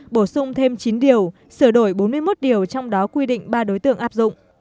bổ sung thêm chín điều sửa đổi bốn mươi một điều trong đó quy định ba đối tượng áp dụng